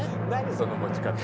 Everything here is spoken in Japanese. その持ち方。